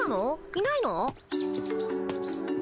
いないの？